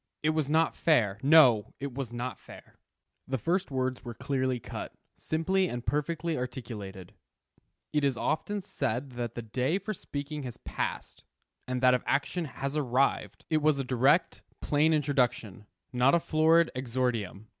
It was not fair; no, it was not fair. The first words were clearly cut, simply and perfectly articulated. "It is often said that the day for speaking has passed, and that of action has arrived." It was a direct, plain introduction; not a florid exordium.